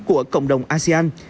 của cộng đồng asean